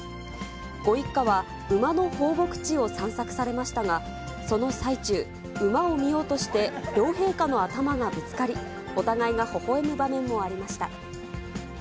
ご一家は馬の放牧地を散策されましたが、その最中、馬を見ようとして、両陛下の頭がぶつかり、お互いがほほえむ場面もありました。